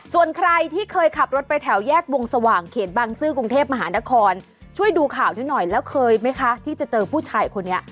ส่วนใครที่เคยขับรถไปแถวแยกวงสว่างเขตบังซื้อกรุงเทพมหานครช่วยดูข่าวนี้หน่อยแล้วเคยไหมคะที่จะเจอผู้ชายคนนี้